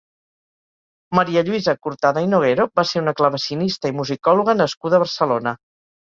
Maria Lluïsa Cortada i Noguero va ser una clavecinista i musicòloga nascuda a Barcelona.